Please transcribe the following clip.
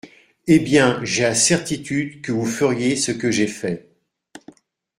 Eh bien, j’ai la certitude que vous feriez ce que j’ai fait.